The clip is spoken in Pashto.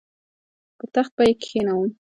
پر تخت به یې کښېنوم.